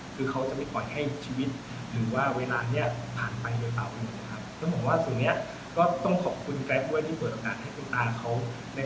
คือต้องคิดถึงคุณพ่อแม่นบ้านเขาคุณพ่อของพ่ออกสิทธิ์แล้ว